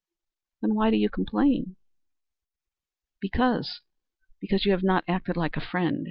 "Then why do you complain?" "Because because you have not acted like a friend.